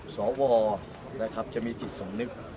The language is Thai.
สาววอลจะมีจิตสมนึก